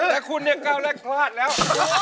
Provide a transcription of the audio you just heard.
แต่คุณเนี่ยก้าวแรกพลาดแล้ว